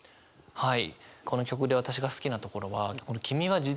はい。